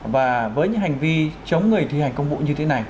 và với những hành vi chống người thi hành công vụ như thế này